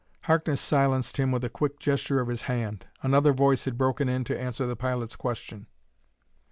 Harkness silenced him with a quick gesture of his hand. Another voice had broken in to answer the pilot's question.